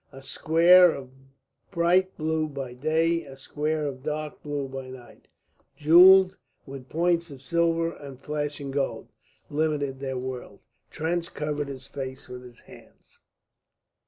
A square of bright blue by day, a square of dark blue by night, jewelled with points of silver and flashing gold, limited their world. Trench covered his face with his hands.